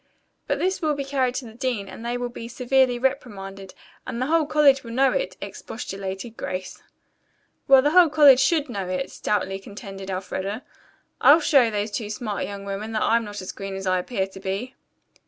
"But this will be carried to the dean and they will be severely reprimanded and the whole college will know it," expostulated Grace. "Well, the whole college should know it," stoutly contended Elfreda. "I'll show those two smart young women that I'm not as green as I appear to be."